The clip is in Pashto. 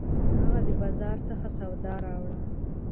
هغه د بازار څخه سودا راوړه